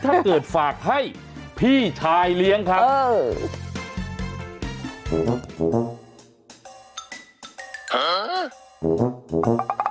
ถ้าเกิดฝากให้พี่ชายเลี้ยงครับ